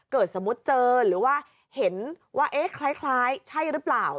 สมมุติเจอหรือว่าเห็นว่าเอ๊ะคล้ายใช่หรือเปล่า